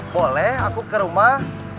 boleh aku ke rumah